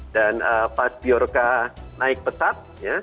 dan pas biorca naik pesat